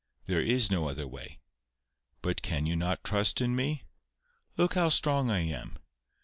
There is no other way. But can you not trust in me? Look how strong I am.